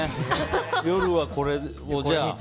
夜はこれをじゃあ。